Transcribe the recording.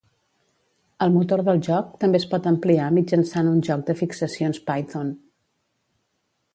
El motor del joc també es pot ampliar mitjançant un joc de fixacions Python.